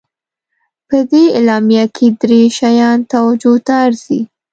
په دې اعلامیه کې درې شیان توجه ته ارزي.